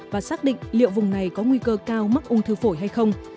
và xác định liệu vùng này có nguy cơ cao mắc ung thư phổi hay không